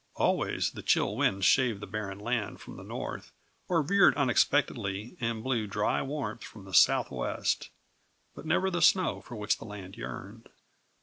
Always the chill winds shaved the barren land from the north, or veered unexpectedly, and blew dry warmth from the southwest; but never the snow for which the land yearned.